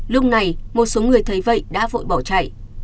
lúc này một số người thấy vậy đã vội bỏ chạy